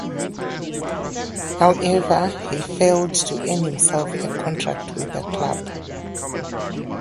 However, he failed to earn himself a contract with the club.